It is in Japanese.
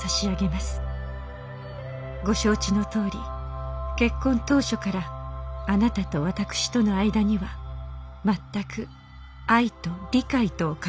ご承知のとおり結婚当初からあなたと私との間には全く愛と理解とを欠いていました。